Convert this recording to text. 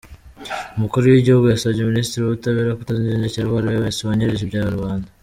Umukuru w’Igihugu yasabye Minisitiri w’Ubutabera kutajengekera uwo ari wese wanyereje ibya rubanda.